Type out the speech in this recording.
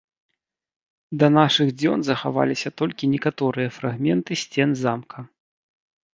Да нашых дзён захаваліся толькі некаторыя фрагменты сцен замка.